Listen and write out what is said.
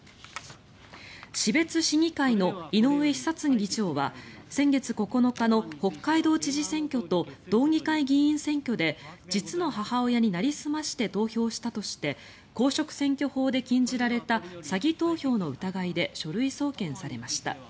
士別市議会の井上久嗣議長は先月９日の北海道知事選挙と道議会議員選挙で実の母親になりすまして投票したとして公職選挙法で禁じられた詐偽投票の疑いで書類送検されました。